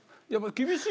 厳しい。